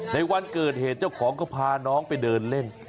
ในวันเกิดเหตุเจ้าของก็พาน้องไปเดินเล่น